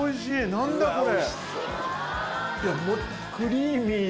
何だ⁉これ！